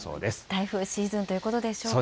台風シーズンということでしょうか。